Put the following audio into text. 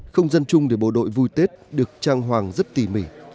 không gian chung để bộ đội vui tết được trang hoàng rất tỉ mỉ